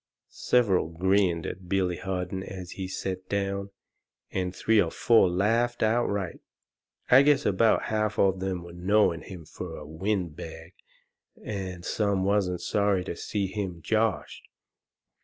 Several grinned at Billy Harden as he set down, and three or four laughed outright. I guess about half of them there knowed him fur a wind bag, and some wasn't sorry to see him joshed.